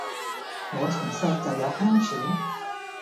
我從細就有哮喘